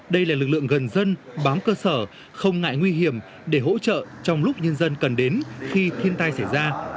đây là lực lượng gần dân bám cơ sở không ngại nguy hiểm để hỗ trợ trong lúc nhân dân cần đến khi thiên tai xảy ra